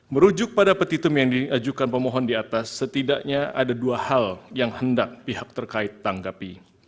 merujuk pada petitum yang diajukan pemohon di atas setidaknya ada dua hal yang hendak pihak terkait tanggapi